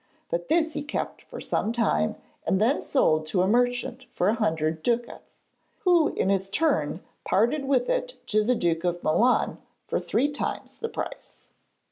But this he kept for some time and then sold to a merchant for a hundred ducats, who in his turn parted with it to the Duke of Milan for three times the price.